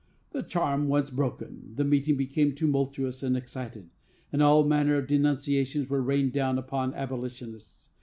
The charm once broken, the meeting became tumultuous and excited, and all manner of denunciations were rained down upon abolitionists.